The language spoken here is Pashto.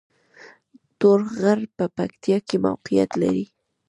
تور غر په پکتیا کې موقعیت لري